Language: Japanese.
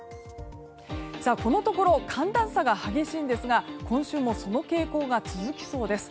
このところ寒暖差が激しいんですが今週もその傾向が続きそうです。